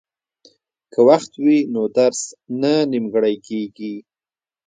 که وخت وي نو درس نه نیمګړی کیږي.